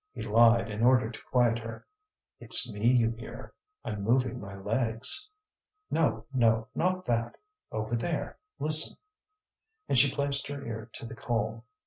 He lied in order to quiet her. "It's me you hear; I'm moving my legs." "No, no; not that! Over there, listen!" And she placed her ear to the coal.